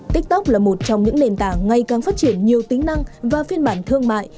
tiktok là một trong những nền tảng ngày càng phát triển nhiều tính năng và phiên bản thương mại